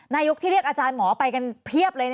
นายกที่เรียกอาจารย์หมอไปกันเพียบเลย